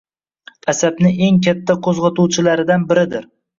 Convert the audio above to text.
– asabni eng katta qo‘zg‘otuvchilaridan biridir.